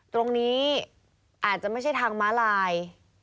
ตรงนี้อาจจะไม่ใช่ทางม้าลาย